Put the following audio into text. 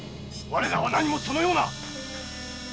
我らは何もそのような！